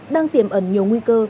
đang tiềm ẩn nhiều nguy cơ